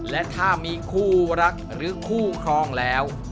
และถ้ามีคู่รักหรือคู่ครองแล้ว